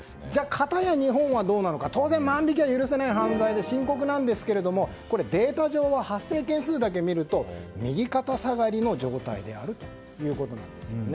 かたや日本はどうなのか当然万引きは許されなく犯罪なんですがデータ上は、発生件数だけ見ると右肩下がりの状態なんですね。